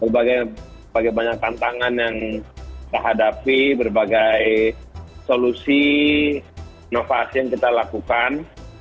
berbagai banyak tantangan yang kita hadapi berbagai solusi inovasi yang kita lakukan